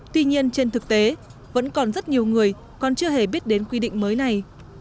tuy nhiên trên thực tế vẫn còn rất nhiều người còn chưa hề biết đến quy định mới này